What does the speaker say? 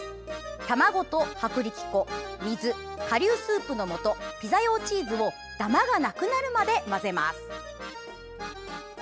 卵と薄力粉、水顆粒スープのもとピザ用チーズをダマがなくなるまで混ぜます。